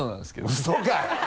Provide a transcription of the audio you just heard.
ウソかい！